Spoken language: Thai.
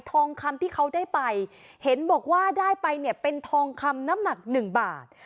ทองคำที่เขาได้ไปเห็นบอกว่าได้ไปเนี่ยเป็นทองคำน้ำหนักหนึ่งบาท